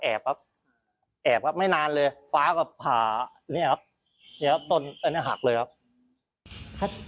แอบเลยครับไม่นานเลยฟ้าก็ผ่าต้นเนื้อหักเลยครับ